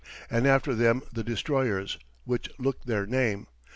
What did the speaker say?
And after them the destroyers, which look their name.